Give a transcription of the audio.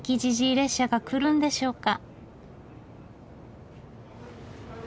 列車が来るんでしょうか。